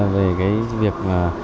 về cái việc